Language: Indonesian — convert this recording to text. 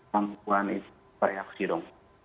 mereka memang memperoleh reaksi dong